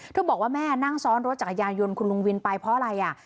บอกว่าแม่นั่งซ้อนรถจักรยานยนต์คุณลุงวินไปเพราะอะไรอ่ะ